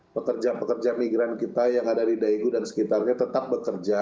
pekerja pekerja migran kita yang ada di daegu dan sekitarnya tetap bekerja